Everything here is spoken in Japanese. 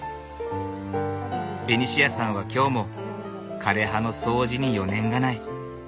ベニシアさんは今日も枯れ葉の掃除に余念がない。